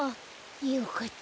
よかった。